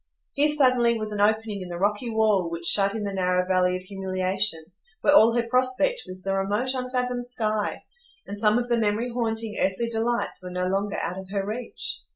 Here suddenly was an opening in the rocky wall which shut in the narrow valley of humiliation, where all her prospect was the remote, unfathomed sky; and some of the memory haunting earthly delights were no longer out of her reach.